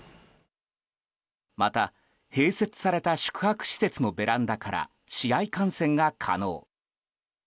また、併設された宿泊施設のベランダから試合観戦が可能。